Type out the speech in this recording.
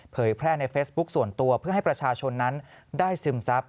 แพร่ในเฟซบุ๊คส่วนตัวเพื่อให้ประชาชนนั้นได้ซึมซับ